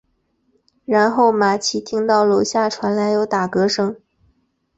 然后玛琦听到楼下传来有打嗝声。